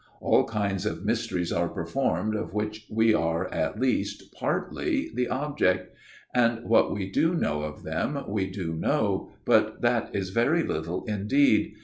All kinds of mysteries MY OWN TALE 301 are performed of which we are, at least, partly, the object ; and what we do know of them, we do know, but that is very little indeed.